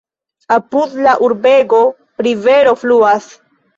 Apud la urbego rivero fluas.